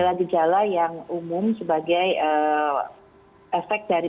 bahkan paling lama dua hari